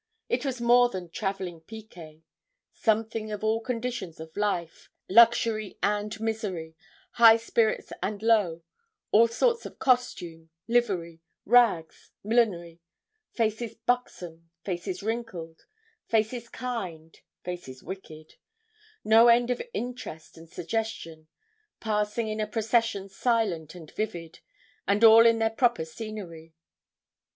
It was more than travelling picquet. Something of all conditions of life luxury and misery high spirits and low; all sorts of costume, livery, rags, millinery; faces buxom, faces wrinkled, faces kind, faces wicked; no end of interest and suggestion, passing in a procession silent and vivid, and all in their proper scenery.